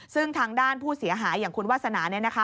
ซึ่งทางด้านผู้เสียหายอย่างคุณวาสนาเนี่ยนะคะ